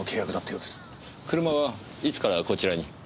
車はいつからこちらに？